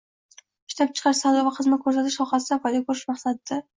«ishlab-chiqarish, savdo va xizmat ko‘rsatish sohasida foyda ko‘rish maqsadida